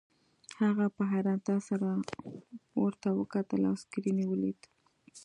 هغه په حیرانتیا سره ورته وکتل او سکرین یې ولید